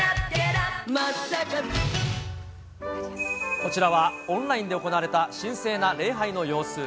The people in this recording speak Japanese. こちらはオンラインで行われた神聖な礼拝の様子。